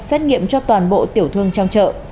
xét nghiệm cho toàn bộ tiểu thương trong chợ